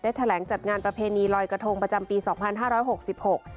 แถลงจัดงานประเพณีลอยกระทงประจำปีสองพันห้าร้อยหกสิบหก